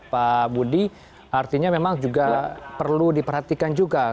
pak budi artinya memang juga perlu diperhatikan juga